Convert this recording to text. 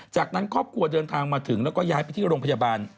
จากนั้นครอบครัวเดินทางมาถึงแล้วก็ย้ายไปที่โรงพยาบาล